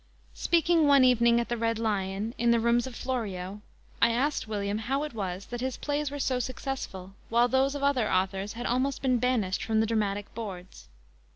Speaking one evening at the Red Lion, in the rooms of Florio, I asked William how it was that his plays were so successful, while those of other authors had almost been banished from the dramatic boards.